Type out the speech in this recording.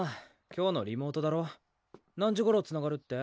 今日のリモートだろ何時頃つながるって？